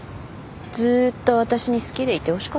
ずっと私に好きでいてほしかったの？